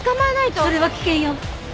それは危険よ。